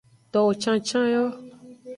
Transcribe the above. Towo cancan yo.